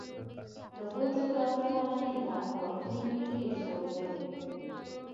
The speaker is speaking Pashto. د غور جغرافیه غرنۍ ده او اقلیم یې ډېر سوړ دی